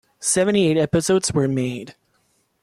Seventy-eight episodes were made.